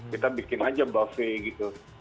kita bikin saja buffet gitu